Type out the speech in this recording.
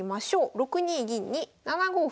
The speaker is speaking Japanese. ６二銀に７五歩。